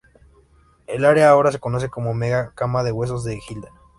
El área ahora se conoce como La Mega cama de Huesos de Hilda.